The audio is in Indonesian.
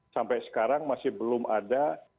sampai sekarang masih belum ada